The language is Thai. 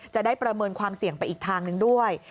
จะได้ประเมินความเสี่ยงไปอีกทางหนึ่งด้วย